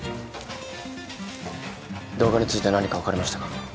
動画について何か分かりましたか？